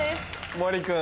森君。